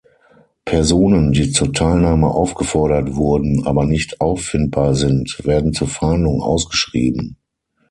Personen, die zur Teilnahme aufgefordert wurden, aber nicht auffindbar sind, werden zur Fahndung ausgeschrieben.